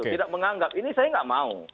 tidak menganggap ini saya nggak mau